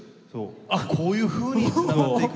あっこういうふうにつながっていくんだ。